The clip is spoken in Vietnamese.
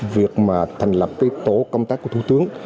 việc mà thành lập cái tổ công tác của thủ tướng